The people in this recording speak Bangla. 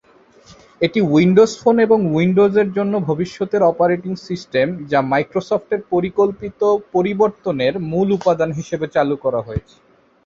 এটি উইন্ডোজ ফোন এবং উইন্ডোজের জন্য ভবিষ্যতের অপারেটিং সিস্টেম, যা মাইক্রোসফটের পরিকল্পিত "পরিবর্তন" এর মূল উপাদান হিসেবে চালু করা হয়েছে।